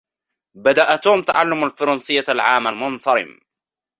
بدء توم تعلم الفرنسية العام المنصرم.